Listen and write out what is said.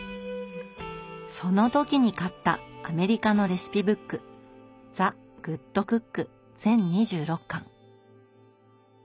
その時に買ったアメリカのレシピブック「ザグッドクック」全２６巻。